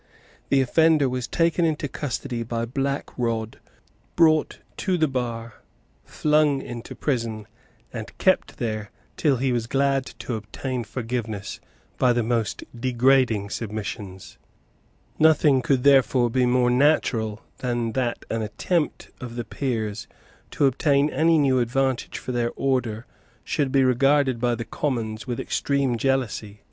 The offender was taken into custody by Black Rod, brought to the bar, flung into prison, and kept there till he was glad to obtain forgiveness by the most degrading submissions. Nothing could therefore be more natural than that an attempt of the Peers to obtain any new advantage for their order should be regarded by the Commons with extreme jealousy.